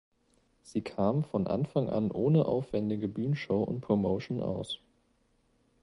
Sie kam von Anfang an ohne aufwändige Bühnenshow und Promotion aus.